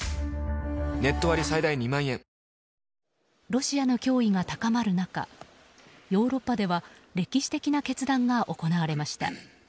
ロシアの脅威が高まる中ヨーロッパでは歴史的な決断が行われました。